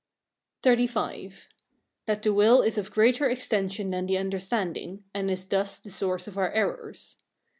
XXXV. That the will is of greater extension than the understanding, and is thus the source of our errors.